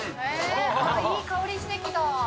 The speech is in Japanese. いい香りしてきた。